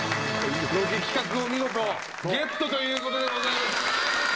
ロケ企画を見事ゲットということでございます。